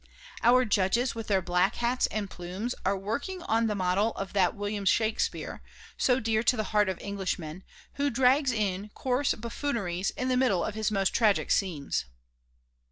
Our judges, with their black hats and plumes, are working on the model of that William Shakespeare, so dear to the heart of Englishmen, who drags in coarse buffooneries in the middle of his most tragic scenes."